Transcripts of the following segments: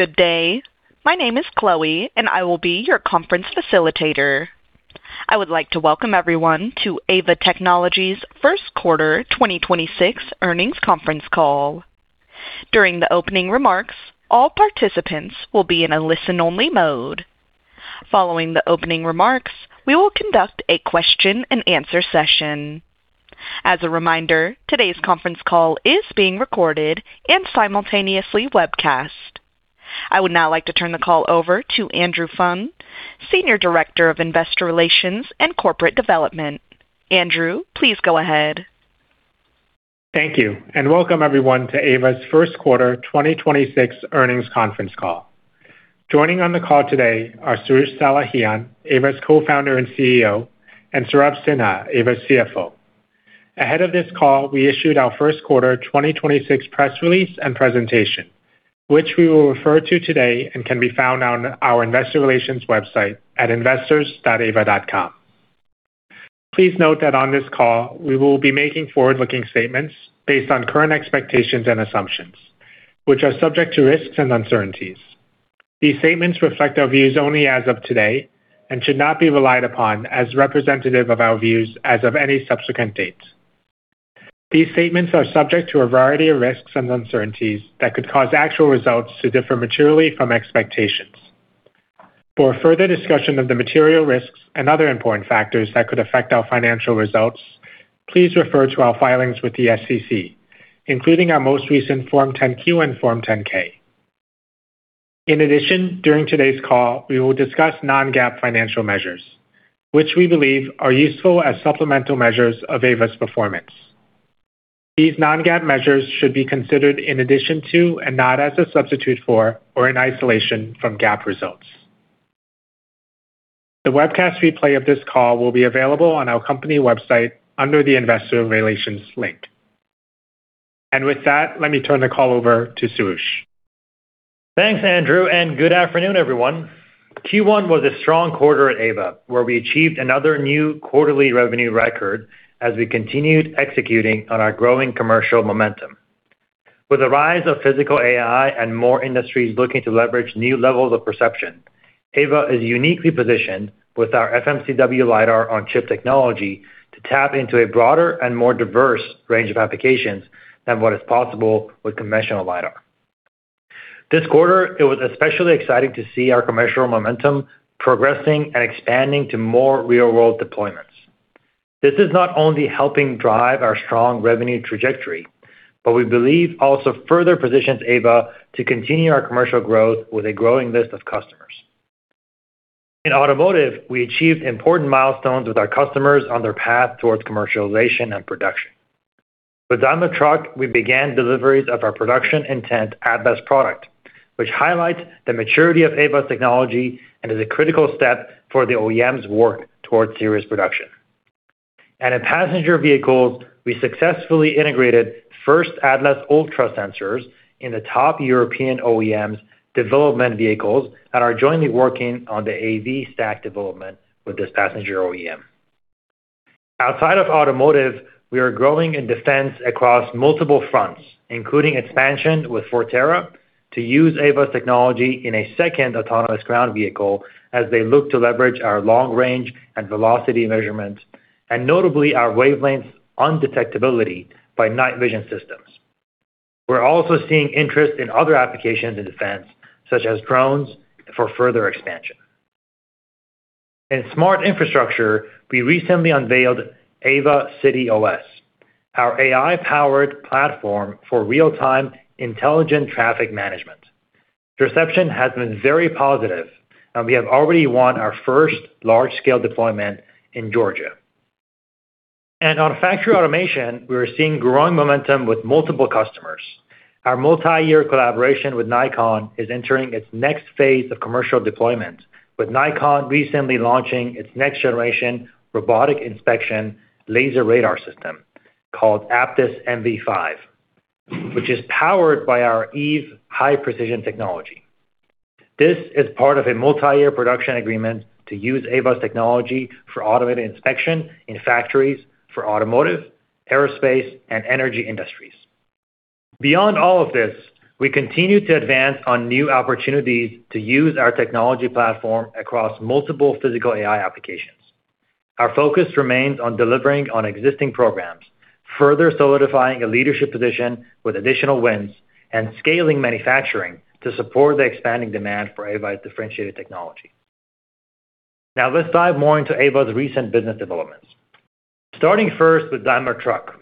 Good day. My name is Chloe, and I will be your conference facilitator. I would like to welcome everyone to Aeva Technologies' first quarter 2026 earnings conference call. During the opening remarks, all participants will be in a listen-only mode. Following the opening remarks, we will conduct a question-and-answer session. As a reminder, today's conference call is being recorded and simultaneously webcast. I would now like to turn the call over to Andrew Fung, Senior Director of Investor Relations and Corporate Development. Andrew, please go ahead. Thank you. Welcome everyone to Aeva's first quarter 2026 earnings conference call. Joining on the call today are Soroush Salehian, Aeva's Co-founder and CEO; and Saurabh Sinha, Aeva's CFO. Ahead of this call, we issued our first quarter 2026 press release and presentation, which we will refer to today and can be found on our Investor Relations website at investors.aeva.com. Please note that on this call, we will be making forward-looking statements based on current expectations and assumptions, which are subject to risks and uncertainties. These statements reflect our views only as of today and should not be relied upon as representative of our views as of any subsequent date. These statements are subject to a variety of risks and uncertainties that could cause actual results to differ materially from expectations. For a further discussion of the material risks and other important factors that could affect our financial results, please refer to our filings with the SEC, including our most recent Form 10-Q and Form 10-K. In addition, during today's call, we will discuss non-GAAP financial measures, which we believe are useful as supplemental measures of Aeva's performance. These non-GAAP measures should be considered in addition to and not as a substitute for or in isolation from GAAP results. The webcast replay of this call will be available on our company website under the investor relations link. With that, let me turn the call over to Soroush. Thanks, Andrew. Good afternoon, everyone. Q1 was a strong quarter at Aeva, where we achieved another one new quarterly revenue record as we continued executing on our growing commercial momentum. With the rise of Physical AI and more industries looking to leverage new levels of perception, Aeva is uniquely positioned with our FMCW LiDAR on chip technology to tap into a broader and more diverse range of applications than what is possible with conventional LiDAR. This quarter, it was especially exciting to see our commercial momentum progressing and expanding to more real-world deployments. This is not only helping drive our strong revenue trajectory, but we believe also further positions Aeva to continue our commercial growth with a growing list of customers. In automotive, we achieved important milestones with our customers on their path towards commercialization and production. With Daimler Truck, we began deliveries of our production intent Atlas product, which highlights the maturity of Aeva's technology and is a critical step for the OEM's work towards series production. In passenger vehicles, we successfully integrated first Atlas Ultra sensors in the top European OEMs development vehicles and are jointly working on the AV stack development with this passenger OEM. Outside of automotive, we are growing in defense across multiple fronts, including expansion with Forterra to use Aeva's technology in a second autonomous ground vehicle as they look to leverage our long range and velocity measurements, and notably our wavelength undetectability by night vision systems. We're also seeing interest in other applications in defense, such as drones for further expansion. In smart infrastructure, we recently unveiled Aeva CityOS, our AI-powered platform for real-time intelligent traffic management. The reception has been very positive. We have already won our first large-scale deployment in Georgia. On factory automation, we are seeing growing momentum with multiple customers. Our multi-year collaboration with Nikon is entering its next phase of commercial deployment, with Nikon recently launching its next generation robotic inspection laser radar system called APDIS MV5, which is powered by our Eve high-precision technology. This is part of a multi-year production agreement to use Aeva's technology for automated inspection in factories for automotive, aerospace, and energy industries. Beyond all of this, we continue to advance on new opportunities to use our technology platform across multiple Physical AI applications. Our focus remains on delivering on existing programs, further solidifying a leadership position with additional wins and scaling manufacturing to support the expanding demand for Aeva's differentiated technology. Let's dive more into Aeva's recent business developments. Starting first with Daimler Truck.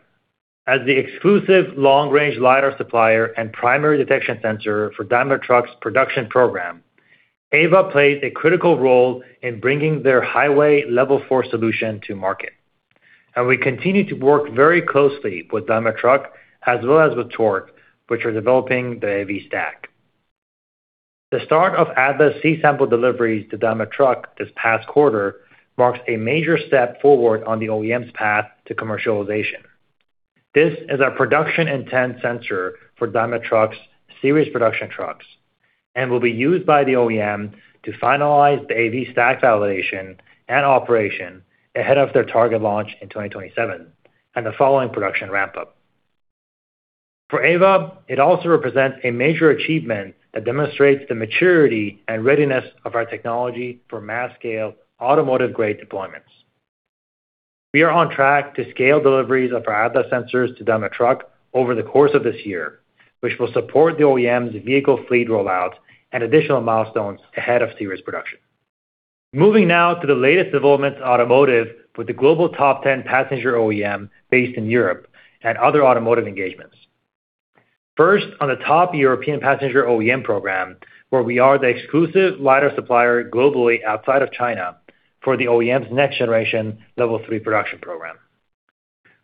As the exclusive long-range LiDAR supplier and primary detection sensor for Daimler Truck's production program, Aeva plays a critical role in bringing their highway Level 4 solution to market. We continue to work very closely with Daimler Truck as well as with Torc, which are developing the AV stack. The start of Atlas C-sample deliveries to Daimler Truck this past quarter marks a major step forward on the OEM's path to commercialization. This is our production intent sensor for Daimler Truck's series production trucks and will be used by the OEM to finalize the AV stack validation and operation ahead of their target launch in 2027 and the following production ramp-up. For Aeva, it also represents a major achievement that demonstrates the maturity and readiness of our technology for mass scale automotive grade deployments. We are on track to scale deliveries of our Atlas sensors to Daimler Truck over the course of this year, which will support the OEM's vehicle fleet rollout and additional milestones ahead of series production. Moving now to the latest developments automotive with the global top ten passenger OEM based in Europe and other automotive engagements. First, on the top European passenger OEM program, where we are the exclusive LiDAR supplier globally outside of China for the OEM's next generation Level 3 production program.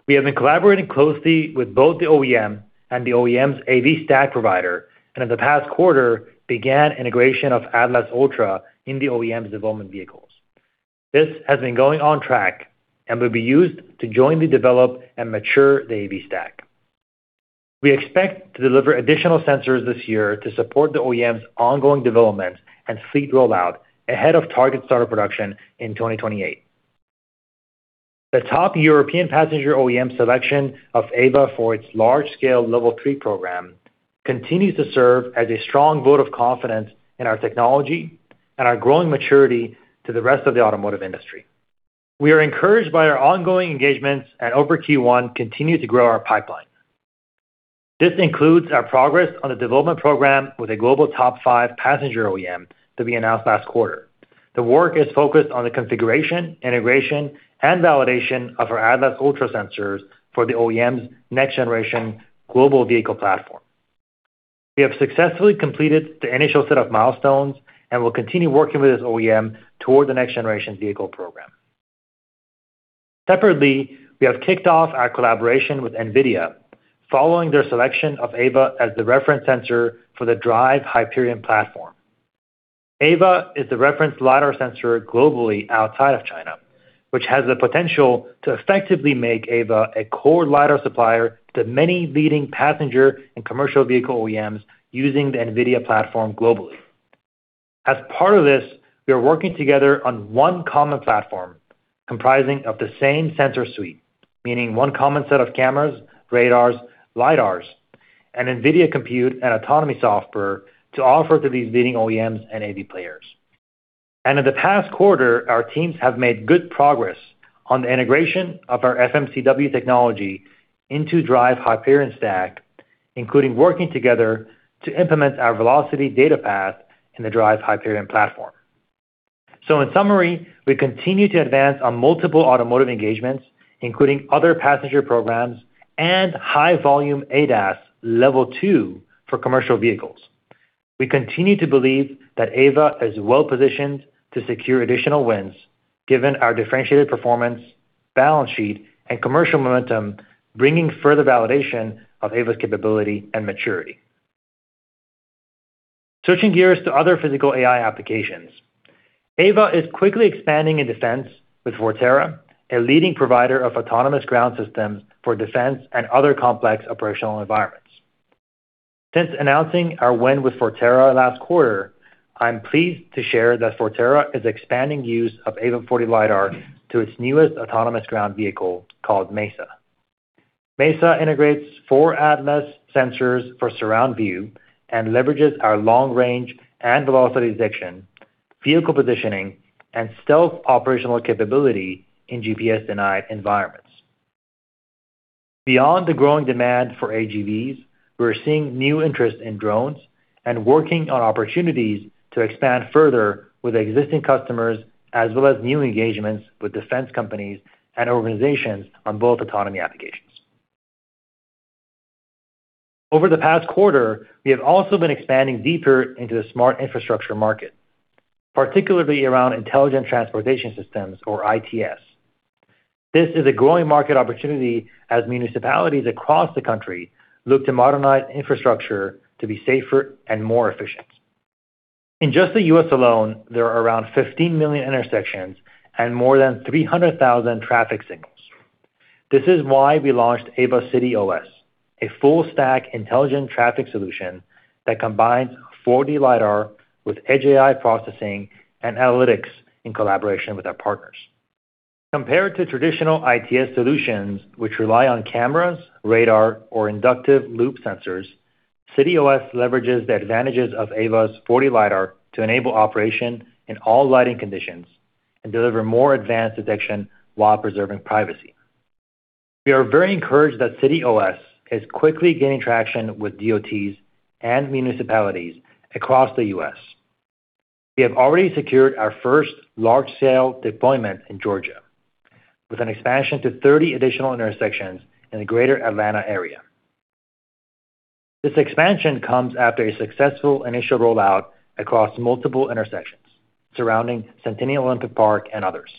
We have been collaborating closely with both the OEM and the OEM's AV stack provider, and in the past quarter began integration of Atlas Ultra in the OEM's development vehicles. This has been going on track and will be used to jointly develop and mature the AV stack. We expect to deliver additional sensors this year to support the OEM's ongoing development and fleet rollout ahead of target start of production in 2028. The top European passenger OEM selection of Aeva for its large-scale Level 3 program continues to serve as a strong vote of confidence in our technology and our growing maturity to the rest of the automotive industry. We are encouraged by our ongoing engagements and over Q1 continue to grow our pipeline. This includes our progress on the development program with a global top 5 passenger OEM that we announced last quarter. The work is focused on the configuration, integration, and validation of our Atlas Ultra sensors for the OEM's next generation global vehicle platform. We have successfully completed the initial set of milestones and will continue working with this OEM toward the next generation vehicle program. Separately, we have kicked off our collaboration with NVIDIA following their selection of Aeva as the reference sensor for the DRIVE Hyperion platform. Aeva is the reference LiDAR sensor globally outside of China, which has the potential to effectively make Aeva a core LiDAR supplier to many leading passenger and commercial vehicle OEMs using the NVIDIA platform globally. As part of this, we are working together on one common platform comprising of the same sensor suite, meaning one common set of cameras, radars, LiDARs, and NVIDIA compute and autonomy software to offer to these leading OEMs and AV players. In the past quarter, our teams have made good progress on the integration of our FMCW technology into DRIVE Hyperion stack, including working together to implement our velocity data path in the DRIVE Hyperion platform. In summary, we continue to advance on multiple automotive engagements, including other passenger programs and high volume ADAS Level 2 for commercial vehicles. We continue to believe that Aeva is well-positioned to secure additional wins given our differentiated performance, balance sheet, and commercial momentum, bringing further validation of Aeva's capability and maturity. Switching gears to other Physical AI applications. Aeva is quickly expanding in defense with Forterra, a leading provider of autonomous ground systems for defense and other complex operational environments. Since announcing our win with Forterra last quarter, I am pleased to share that Forterra is expanding use of Aeva 4D LiDAR to its newest autonomous ground vehicle called MESA. MESA integrates four Atlas sensors for surround view and leverages our long-range and velocity detection, vehicle positioning, and stealth operational capability in GPS-denied environments. Beyond the growing demand for AGVs, we're seeing new interest in drones and working on opportunities to expand further with existing customers as well as new engagements with defense companies and organizations on both autonomy applications. Over the past quarter, we have also been expanding deeper into the smart infrastructure market, particularly around Intelligent Transportation Systems or ITS. This is a growing market opportunity as municipalities across the U.S. look to modernize infrastructure to be safer and more efficient. In just the U.S. alone, there are around 15 million intersections and more than 300,000 traffic signals. This is why we launched Aeva CityOS, a full stack intelligent traffic solution that combines 4D LiDAR with Edge AI processing and analytics in collaboration with our partners. Compared to traditional ITS solutions which rely on cameras, radar, or inductive loop sensors, CityOS leverages the advantages of Aeva's 4D LiDAR to enable operation in all lighting conditions and deliver more advanced detection while preserving privacy. We are very encouraged that CityOS is quickly gaining traction with DOTs and municipalities across the U.S. We have already secured our first large-scale deployment in Georgia with an expansion to 30 additional intersections in the Greater Atlanta area. This expansion comes after a successful initial rollout across multiple intersections surrounding Centennial Olympic Park and others.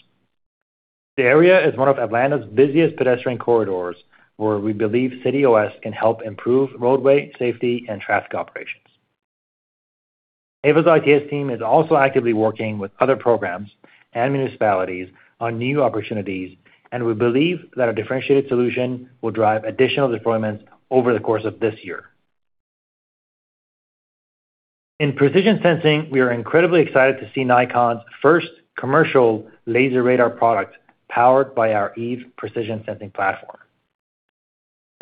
The area is one of Atlanta's busiest pedestrian corridors, where we believe CityOS can help improve roadway safety and traffic operations. Aeva's ITS team is also actively working with other programs and municipalities on new opportunities. We believe that our differentiated solution will drive additional deployments over the course of this year. In precision sensing, we are incredibly excited to see Nikon's first commercial laser radar product powered by our Eve precision sensing platform.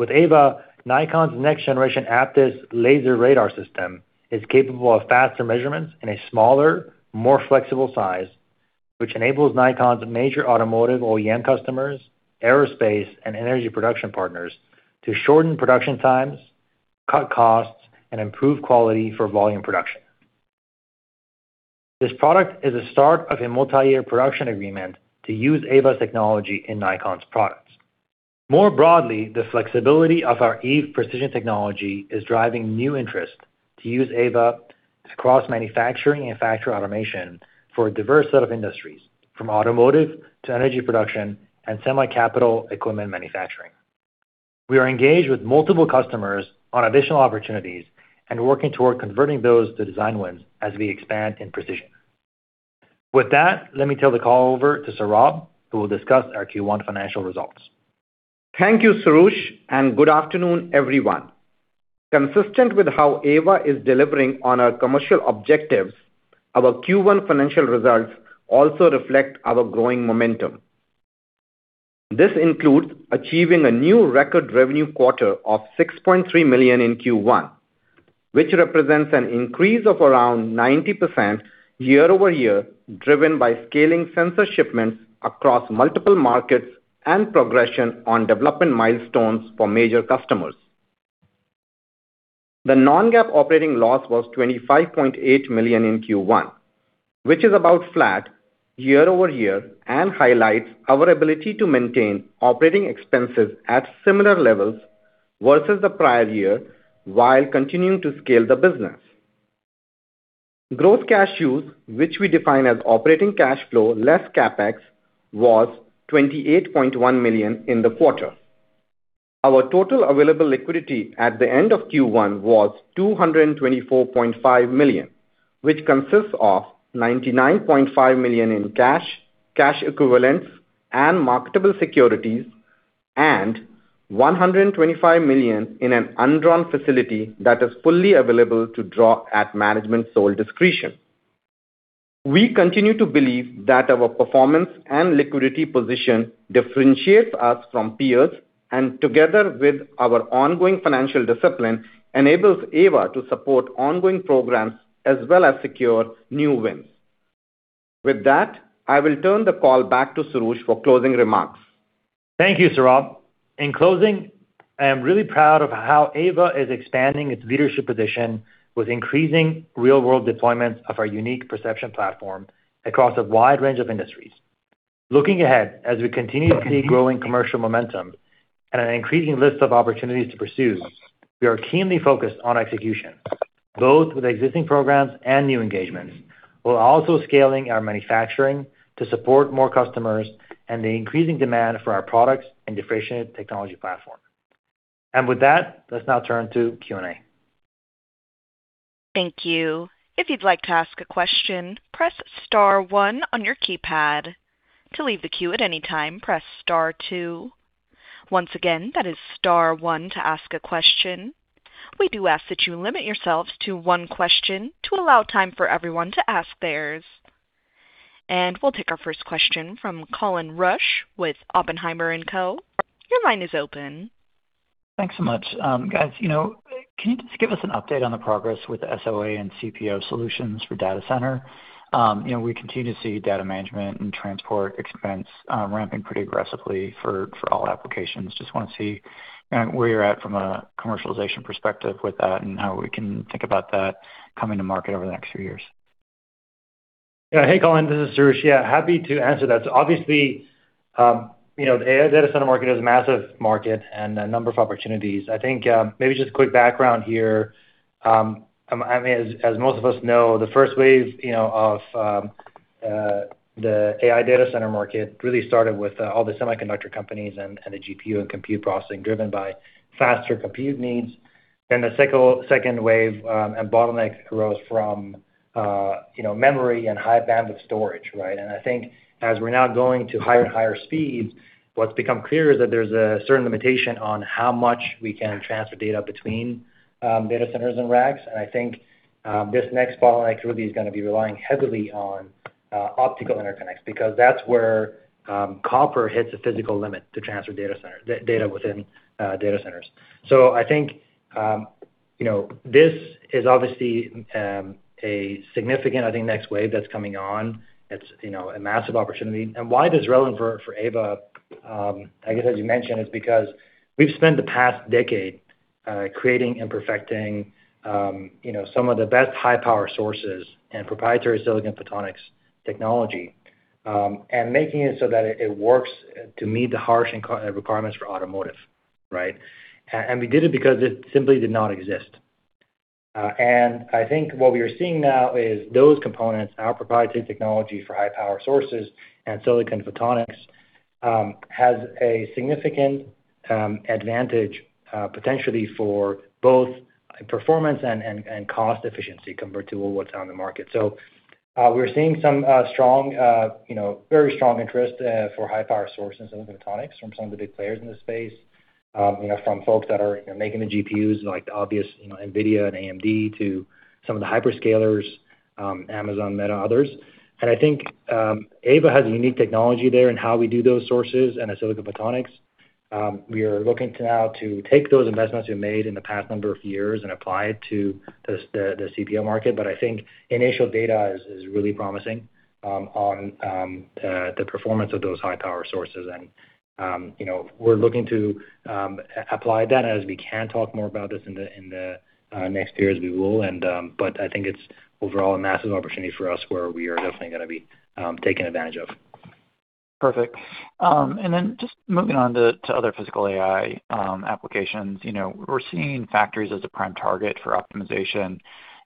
With Aeva, Nikon's next generation APDIS laser radar system is capable of faster measurements in a smaller, more flexible size, which enables Nikon's major automotive OEM customers, aerospace, and energy production partners to shorten production times, cut costs, and improve quality for volume production. This product is a start of a multi-year production agreement to use Aeva's technology in Nikon's products. More broadly, the flexibility of our Eve precision technology is driving new interest to use Aeva across manufacturing and factory automation for a diverse set of industries, from automotive to energy production and semi-capital equipment manufacturing. We are engaged with multiple customers on additional opportunities and working toward converting those to design wins as we expand in precision. With that, let me turn the call over to Saurabh, who will discuss our Q1 financial results. Thank you, Soroush, and good afternoon, everyone. Consistent with how Aeva is delivering on our commercial objectives, our Q1 financial results also reflect our growing momentum. This includes achieving a new record revenue quarter of $6.3 million in Q1, which represents an increase of around 90% year-over-year, driven by scaling sensor shipments across multiple markets and progression on development milestones for major customers. The non-GAAP operating loss was $25.8 million in Q1, which is about flat year-over-year and highlights our ability to maintain operating expenses at similar levels versus the prior year while continuing to scale the business. Gross cash use, which we define as operating cash flow less CapEx, was $28.1 million in the quarter. Our total available liquidity at the end of Q1 was $224.5 million, which consists of $99.5 million in cash equivalents, and marketable securities, and $125 million in an undrawn facility that is fully available to draw at management's sole discretion. We continue to believe that our performance and liquidity position differentiates us from peers, and together with our ongoing financial discipline, enables Aeva to support ongoing programs as well as secure new wins. With that, I will turn the call back to Soroush for closing remarks. Thank you, Saurabh. In closing, I am really proud of how Aeva is expanding its leadership position with increasing real-world deployments of our unique perception platform across a wide range of industries. Looking ahead, as we continue to see growing commercial momentum and an increasing list of opportunities to pursue, we are keenly focused on execution, both with existing programs and new engagements. We're also scaling our manufacturing to support more customers and the increasing demand for our products and differentiated technology platform. With that, let's now turn to Q&A. Thank you. If you would like to ask a question, press star one on your keypad. To leave the queue at anytime, press star two. Once again, that is star one to ask a question. We do ask yourself to limit to one question to allow time for everyone to ask theirs. We'll take our first question from Colin Rusch with Oppenheimer & Co. Thanks so much. Guys, you know, can you just give us an update on the progress with SOA and CPO solutions for data center? You know, we continue to see data management and transport expense ramping pretty aggressively for all applications. Just wanna see, you know, where you're at from a commercialization perspective with that and how we can think about that coming to market over the next few years. Hey, Colin, this is Soroush. Happy to answer that. Obviously, you know, the AI data center market is a massive market and a number of opportunities. I think, maybe just quick background here. I mean, as most of us know, the first wave, you know, of the AI data center market really started with all the semiconductor companies and the GPU and compute processing driven by faster compute needs. The second wave, and bottleneck arose from, you know, memory and high bandwidth storage, right? I think as we're now going to higher and higher speeds, what's become clear is that there's a certain limitation on how much we can transfer data between data centers and racks. I think, this next bottleneck really is gonna be relying heavily on optical interconnects because that's where copper hits a physical limit to transfer data within data centers. I think, you know, this is obviously a significant, I think, next wave that's coming on. It's, you know, a massive opportunity. Why this is relevant for Aeva, I guess as you mentioned, is because we've spent the past decade creating and perfecting, you know, some of the best high power sources and proprietary silicon photonics technology, and making it so that it works to meet the harsh and requirements for automotive, right? We did it because it simply did not exist. I think what we are seeing now is those components, our proprietary technology for high-power sources and silicon photonics, has a significant advantage potentially for both performance and cost efficiency compared to what's on the market. We're seeing some strong, very strong interest for high-power sources and photonics from some of the big players in the space, from folks that are making the GPUs, like the obvious NVIDIA and AMD, to some of the hyperscalers, Amazon, Meta, others. I think Aeva has a unique technology there in how we do those sources and the silicon photonics. We are looking to now to take those investments we've made in the past number of years and apply it to the CPO market. I think initial data is really promising on the performance of those high-power sources. You know, we're looking to apply that as we can talk more about this in the next year as we will. I think it's overall a massive opportunity for us where we are definitely gonna be taking advantage of. Perfect. Just moving on to other Physical AI applications. You know, we're seeing factories as a prime target for optimization,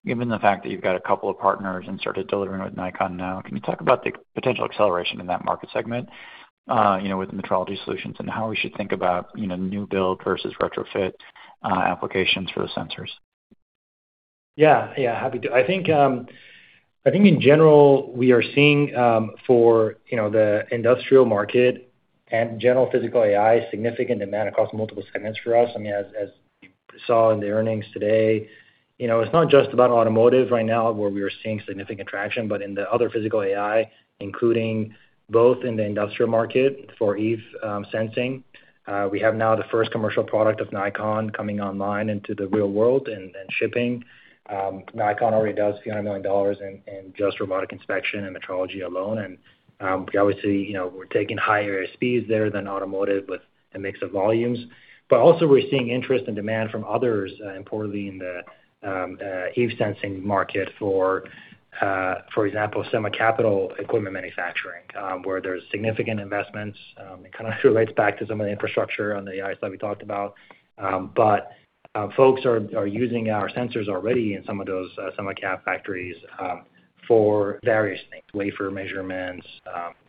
given the fact that you've got a couple of partners and started delivering with Nikon now. Can you talk about the potential acceleration in that market segment, you know, with metrology solutions and how we should think about, you know, new build versus retrofit applications for the sensors? Happy to. I think in general, we are seeing for, you know, the industrial market and general Physical AI, significant demand across multiple segments for us. I mean, as you saw in the earnings today, you know, it's not just about automotive right now where we are seeing significant traction, but in the other Physical AI, including both in the industrial market for Eve sensing. We have now the first commercial product of Nikon coming online into the real world and shipping. Nikon already does a few hundred million dollars in just robotic inspection and metrology alone. We obviously, you know, we're taking higher speeds there than automotive with a mix of volumes. Also we're seeing interest and demand from others, importantly in the EV sensing market for example, semi-capital equipment manufacturing, where there's significant investments. It kind of relates back to some of the infrastructure on the AI side we talked about. Folks are using our sensors already in some of those semi-cap factories for various things, wafer measurements,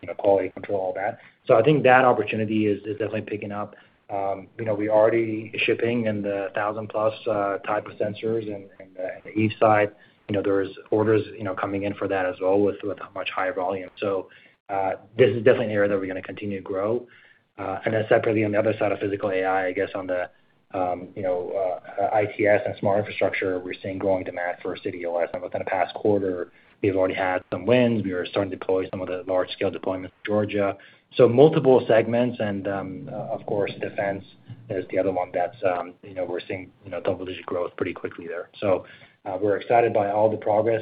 you know, quality control, all that. I think that opportunity is definitely picking up. You know, we already shipping in the 1,000+ type of sensors in the EV side. You know, there's orders, you know, coming in for that as well with much higher volume. This is definitely an area that we're gonna continue to grow. Separately on the other side of Physical AI, I guess on the ITS and smart infrastructure, we're seeing growing demand for CityOS. Within the past quarter, we've already had some wins. We are starting to deploy some of the large scale deployments in Georgia. Multiple segments and of course, defense is the other one that's we're seeing double-digit growth pretty quickly there. We're excited by all the progress.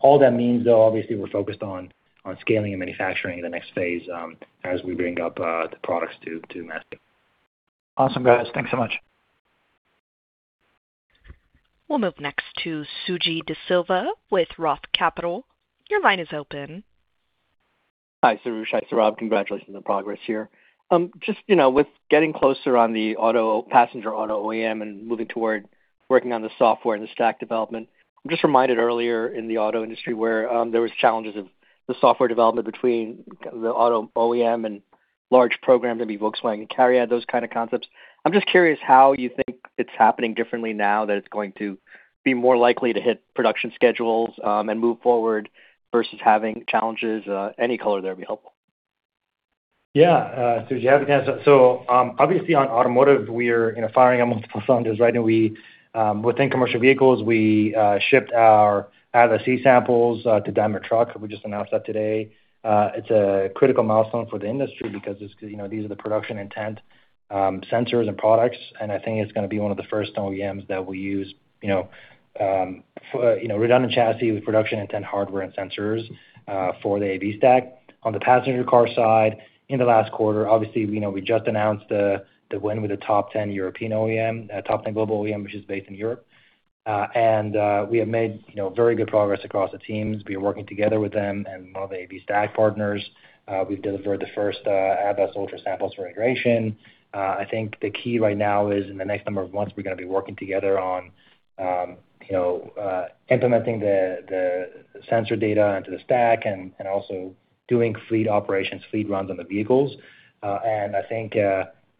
All that means though, obviously we're focused on scaling and manufacturing in the next phase as we bring up the products to mass. Awesome, guys. Thanks so much. We'll move next to Sujeeva De Silva with Roth Capital. Your line is open. Hi, Soroush. Hi, Saurabh. Congratulations on the progress here. Just, you know, with getting closer on the passenger auto OEM moving toward working on the software and the stack development. I'm just reminded earlier in the auto industry where there was challenges of the software development between the auto OEM and large programs, maybe Volkswagen and Cariad, those kind of concepts. I'm just curious how you think it's happening differently now that it's going to be more likely to hit production schedules and move forward versus having challenges. Any color there would be helpful. Suji, happy to answer. obviously on automotive, we are, you know, firing on multiple cylinders, right? within commercial vehicles, we shipped our Atlas C-samples to Daimler Truck. We just announced that today. It's a critical milestone for the industry because it's, you know, these are the production intent sensors and products, and I think it's gonna be one of the first OEMs that we use, you know, for, you know, redundant chassis with production intent hardware and sensors for the AV stack. On the passenger car side, in the last quarter, obviously, you know, we just announced the win with the top 10 European OEM, top 10 global OEM, which is based in Europe. we have made, you know, very good progress across the teams. We are working together with them and one of the AV stack partners. We've delivered the first Atlas Ultra samples for integration. I think the key right now is in the next number of months, we're gonna be working together on, you know, implementing the sensor data into the stack and also doing fleet operations, fleet runs on the vehicles. And I think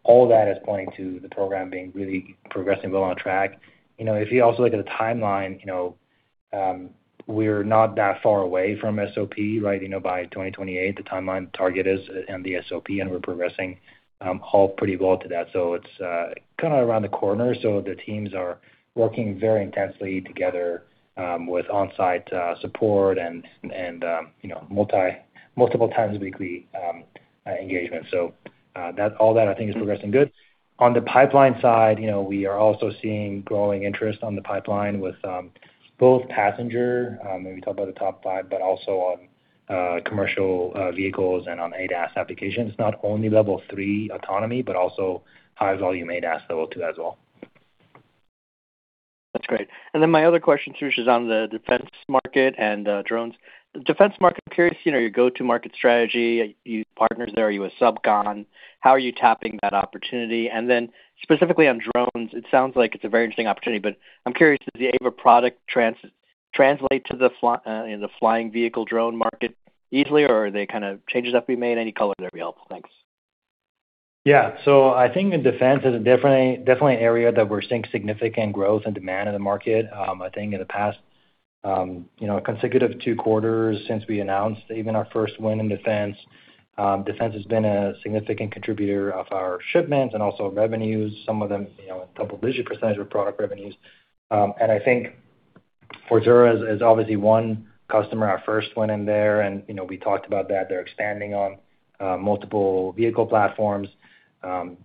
all that is pointing to the program being really progressing well on track. You know, if you also look at the timeline, you know, we're not that far away from SOP, right? You know, by 2028, the timeline target is in the SOP, and we're progressing all pretty well to that. It's kinda around the corner. The teams are working very intensely together, with on-site support and, you know, multiple times weekly engagement. All that I think is progressing good. On the pipeline side, you know, we are also seeing growing interest on the pipeline with both passenger, when we talk about the top 5, but also on commercial vehicles and on ADAS applications. Not only Level 3 autonomy, but also high volume ADAS Level 2 as well. That's great. My other question, Soroush, is on the defense market and drones. Defense market, curious, you know, your go-to-market strategy. You partners there, are you a sub con? How are you tapping that opportunity? Specifically on drones, it sounds like it's a very interesting opportunity, but I'm curious, does the Aeva product translate to the, you know, the flying vehicle drone market easily, or are they kind of changes that we made? Any color there would be helpful. Thanks. I think in defense is a definitely area that we're seeing significant growth and demand in the market. I think in the past, you know, consecutive 2 quarters since we announced even our first win in defense has been a significant contributor of our shipments and also revenues, some of them, you know, a double-digit % of product revenues. I think Forterra is obviously one customer, our first one in there, you know, we talked about that they're expanding on multiple vehicle platforms.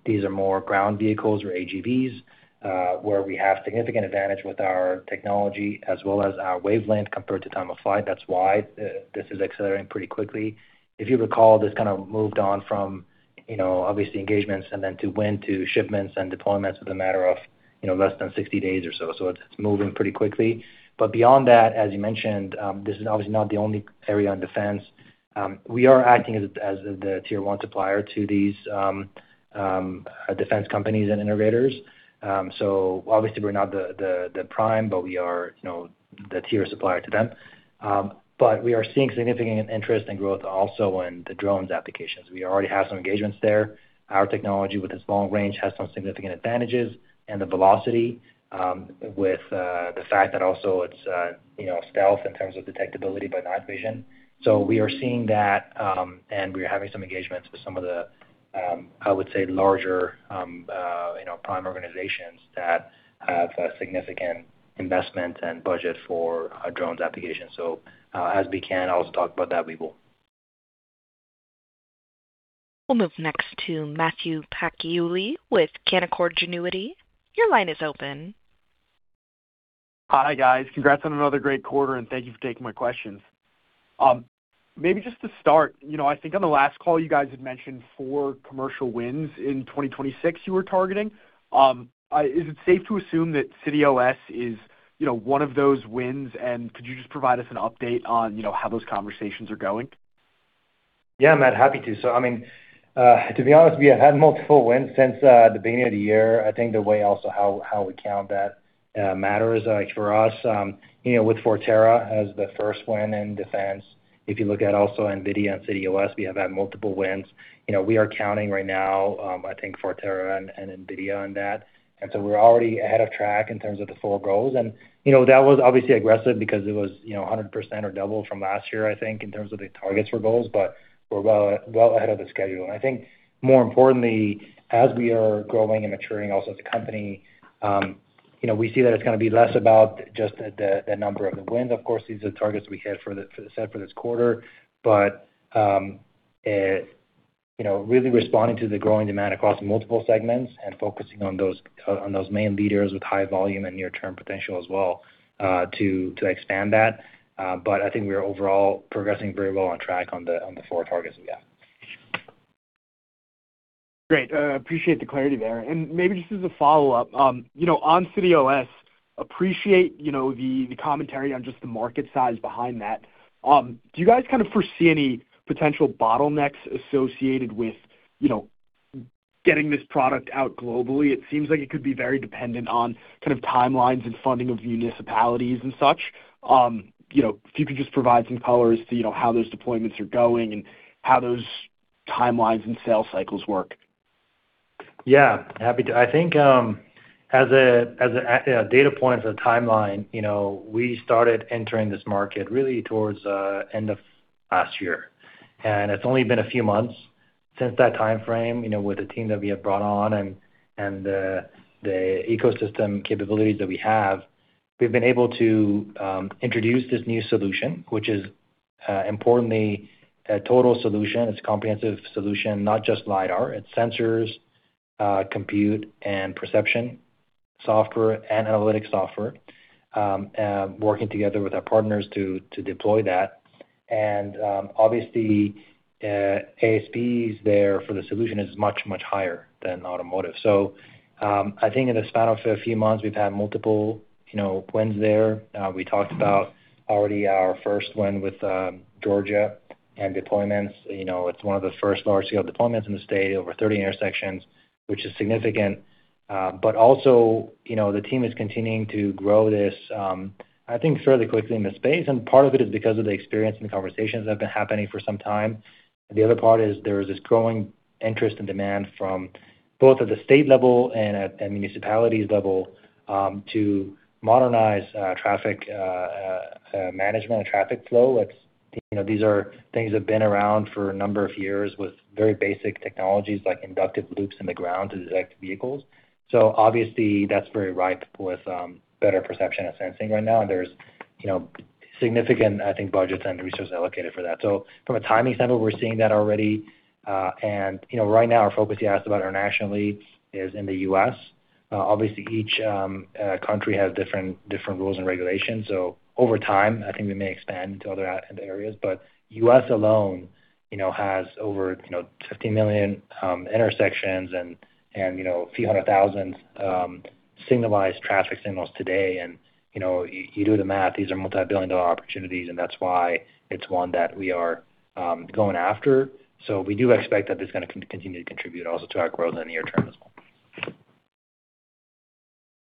These are more ground vehicles or AGVs, where we have significant advantage with our technology as well as our wavelength compared to time of flight. That's why this is accelerating pretty quickly. If you recall, this kind of moved on from obviously engagements and then to win to shipments and deployments with a matter of less than 60 days or so. It's moving pretty quickly. Beyond that, as you mentioned, this is obviously not the only area on defense. We are acting as the tier 1 supplier to these defense companies and innovators. Obviously we're not the prime, but we are the tier supplier to them. We are seeing significant interest and growth also in the drones applications. We already have some engagements there. Our technology with this long range has some significant advantages and the velocity, with the fact that also it's stealth in terms of detectability by night vision. We are seeing that, and we're having some engagements with some of the, I would say, larger, you know, prime organizations that have a significant investment and budget for drones applications. As we can also talk about that, we will. We'll move next to Matthew Pacchioli with Canaccord Genuity. Your line is open. Hi, guys. Congrats on another great quarter, and thank you for taking my questions. Maybe just to start, you know, I think on the last call you guys had mentioned 4 commercial wins in 2026 you were targeting. Is it safe to assume that CityOS is, you know, 1 of those wins? Could you just provide us an update on, you know, how those conversations are going? Yeah, Matt, happy to. I mean, to be honest, we have had multiple wins since the beginning of the year. I think the way also how we count that matters for us. You know, with Forterra as the first win in defense, if you look at also NVIDIA and CityOS, we have had multiple wins. You know, we are counting right now, I think Forterra and NVIDIA on that. We're already ahead of track in terms of the four goals. You know, that was obviously aggressive because it was, you know, 100% or double from last year, I think, in terms of the targets for goals, but we're well, well ahead of the schedule. I think more importantly, as we are growing and maturing also as a company, you know, we see that it's gonna be less about just the number of the wins. Of course, these are the targets we had for the set for this quarter. You know, really responding to the growing demand across multiple segments and focusing on those main leaders with high volume and near-term potential as well, to expand that. I think we are overall progressing very well on track on the four targets we have. Great. Appreciate the clarity there. Maybe just as a follow-up, you know, on CityOS, appreciate, you know, the commentary on just the market size behind that. Do you guys kind of foresee any potential bottlenecks associated with, you know, getting this product out globally? It seems like it could be very dependent on kind of timelines and funding of municipalities and such. You know, if you could just provide some color as to, you know, how those deployments are going and how those timelines and sales cycles work? Yeah. Happy to. I think, as a data point, as a timeline, you know, we started entering this market really towards end of last year. It's only been a few months since that timeframe, you know, with the team that we have brought on and the ecosystem capabilities that we have. We've been able to introduce this new solution, which is importantly a total solution. It's a comprehensive solution, not just LiDAR. It's sensors, compute and perception software and analytics software, working together with our partners to deploy that. Obviously, ASPs there for the solution is much higher than automotive. I think in the span of a few months, we've had multiple, you know, wins there. We talked about already our first win with Georgia and deployments. You know, it's one of the first large-scale deployments in the state, over 30 intersections, which is significant. Also, you know, the team is continuing to grow this, I think fairly quickly in the space, and part of it is because of the experience and conversations that have been happening for some time. The other part is there is this growing interest and demand from both at the state level and municipalities level to modernize traffic management and traffic flow. It's, you know, these are things that have been around for a number of years with very basic technologies like inductive loops in the ground to detect vehicles. Obviously, that's very ripe with better perception and sensing right now. There's, you know, significant, I think, budgets and resources allocated for that. From a timing standpoint, we're seeing that already. You know, right now our focus, you asked about internationally, is in the U.S. Obviously each country has different rules and regulations, over time, I think we may expand to other areas. U.S. alone, you know, has over, you know, 50 million intersections and, you know, a few hundred thousand signalized traffic signals today. You know, you do the math. These are multi-billion dollar opportunities, that's why it's one that we are going after. We do expect that it's gonna continue to contribute also to our growth in the near term as well.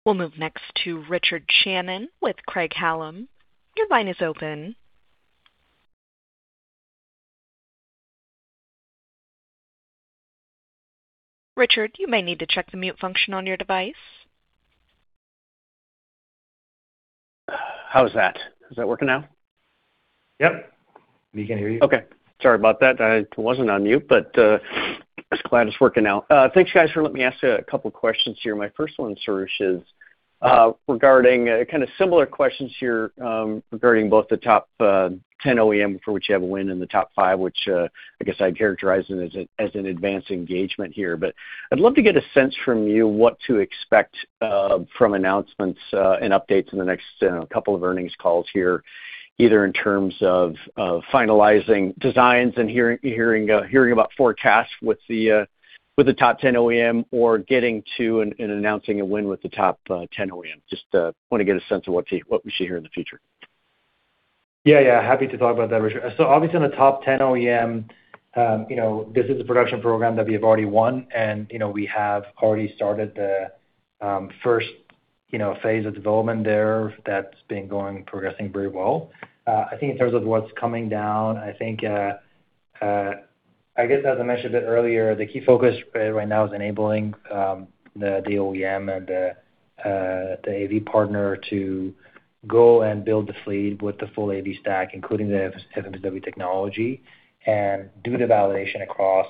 We'll move next to Richard Shannon with Craig-Hallum. Your line is open. Richard, you may need to check the mute function on your device. How is that? Is that working now? Yep. We can hear you. Sorry about that. I wasn't on mute, just glad it's working now. Thanks guys for letting me ask a couple questions here. My first one, Soroush, is regarding kind of similar questions here, regarding both the top 10 OEM for which you have a win in the top 5, which I guess I'd characterize it as an advanced engagement here. I'd love to get a sense from you what to expect from announcements and updates in the next couple of earnings calls here, either in terms of finalizing designs and hearing about forecasts with the top 10 OEM or getting to and announcing a win with the top 10 OEM. Just want to get a sense of what we see here in the future. Yeah, yeah. Happy to talk about that, Richard. Obviously on the top 10 OEM, you know, this is a production program that we have already won and, you know, we have already started the first, you know, phase of development there. That's been going, progressing very well. I think in terms of what's coming down, I think, I guess as I mentioned a bit earlier, the key focus right now is enabling the OEM and the AV partner to go and build the fleet with the full AV stack, including the FMCW technology, and do the validation across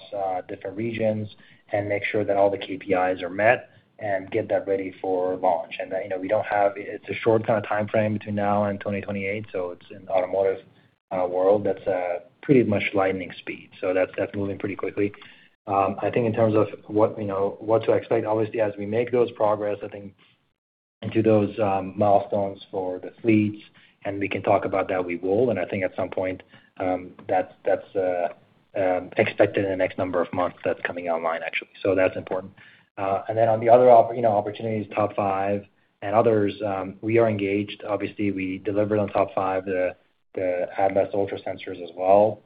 different regions and make sure that all the KPIs are met and get that ready for launch. You know, it's a short kind of timeframe between now and 2028, it's in the automotive world that's pretty much lightning speed. That's moving pretty quickly. I think in terms of what, you know, what to expect, obviously, as we make those progress, I think into those milestones for the fleets, and we can talk about that, we will. I think at some point, that's expected in the next number of months that's coming online, actually. That's important. On the other, you know, opportunities, top five and others, we are engaged. Obviously, we delivered on top five the ADAS Ultra sensors as well.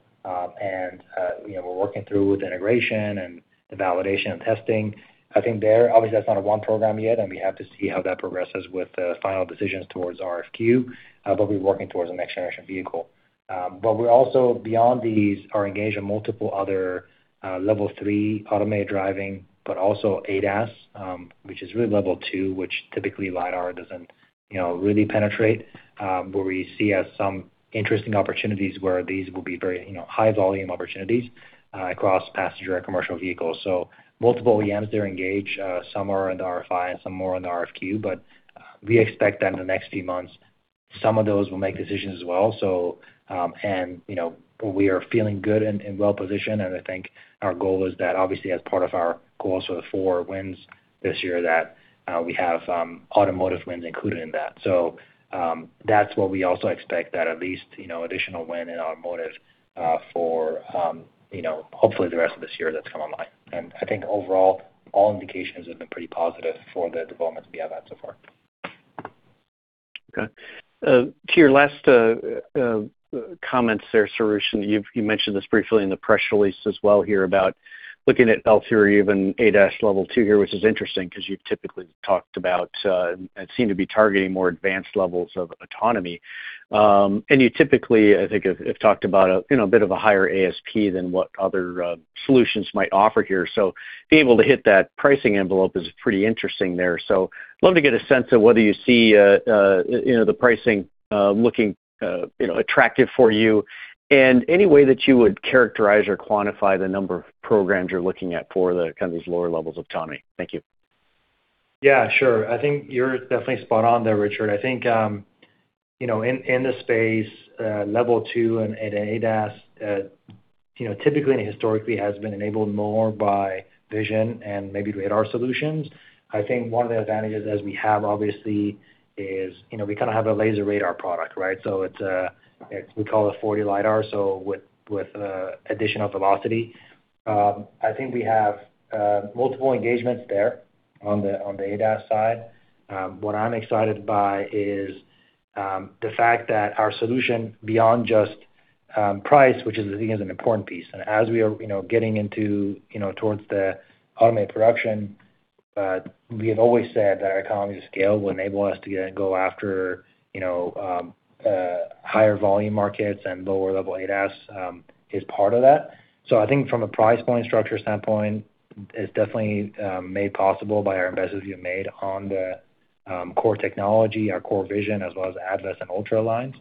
You know, we're working through with the integration and the validation and testing. I think there, obviously, that's not a one program yet, and we have to see how that progresses with the final decisions towards RFQ. We're working towards the next-generation vehicle. We're also, beyond these, are engaged in multiple other Level 3 automated driving, but also ADAS, which is really Level 2, which typically LiDAR doesn't, you know, really penetrate. We see as some interesting opportunities where these will be very, you know, high volume opportunities across passenger and commercial vehicles. Multiple OEMs, they're engaged. Some are in RFI and some more in RFQ. We expect that in the next few months, some of those will make decisions as well. You know, we are feeling good and well-positioned, and I think our goal is that obviously as part of our goals for the four wins this year, that, we have, automotive wins included in that. That's what we also expect that at least, you know, additional win in automotive, for, you know, hopefully the rest of this year that's come online. I think overall, all indications have been pretty positive for the developments we have had so far. Okay. To your last comments there, Soroush, you mentioned this briefly in the press release as well here about looking at Level 3 or even ADAS Level 2 here, which is interesting 'cause you've typically talked about and seem to be targeting more advanced levels of autonomy. You typically, I think have talked about a, you know, a bit of a higher ASP than what other solutions might offer here. Being able to hit that pricing envelope is pretty interesting there. Love to get a sense of whether you see, you know, the pricing looking, you know, attractive for you. Any way that you would characterize or quantify the number of programs you're looking at for the kind of these lower levels autonomy. Thank you. Sure. I think you're definitely spot on there, Richard. I think, you know, in the space, Level 2 and ADAS, you know, typically and historically has been enabled more by vision and maybe radar solutions. I think one of the advantages as we have obviously is, you know, we kinda have a laser radar product, right? It's we call it 4D LiDAR, so with additional velocity. I think we have multiple engagements there on the ADAS side. What I'm excited by is the fact that our solution beyond just price, which is, I think is an important piece. As we are, you know, getting into, you know, towards the automated production, we have always said that our economies of scale will enable us to go after, you know, higher volume markets and lower level ADAS is part of that. I think from a price point structure standpoint, it's definitely made possible by our investments we have made on the core technology, our core vision, as well as ADAS and Ultra lines.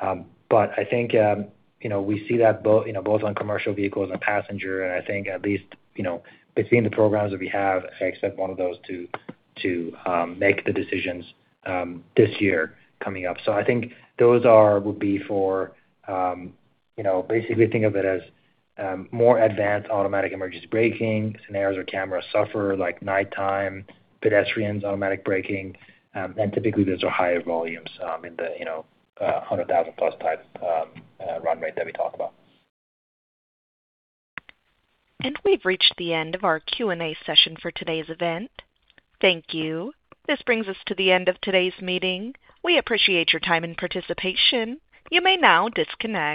I think, you know, we see that both, you know, both on commercial vehicles and passenger, and I think at least, you know, between the programs that we have, I expect one of those to make the decisions this year coming up. I think those would be for, you know, basically think of it as more advanced automatic emergency braking scenarios where cameras suffer like nighttime, pedestrians, automatic braking. Typically those are higher volumes, in the, you know, 100,000+ type run rate that we talk about. We've reached the end of our Q&A session for today's event. Thank you. This brings us to the end of today's meeting. We appreciate your time and participation. You may now disconnect.